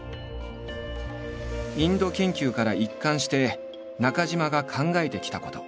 インド研究から一貫して中島が考えてきたこと。